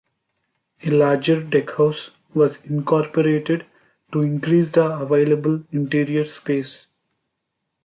A larger deckhouse was incorporated to increase the available interior space.